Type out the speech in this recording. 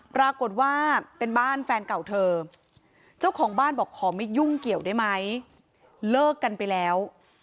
ปรากฏว่าเป็นบ้านแฟนเก่าเธอเจ้าของบ้านบอกขอไม่ยุ่งเกี่ยวได้ไหมเลิกกันไปแล้ว